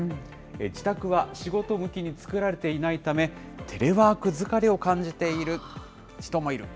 自宅は仕事向きに作られていないため、テレワーク疲れを感じている人もいる。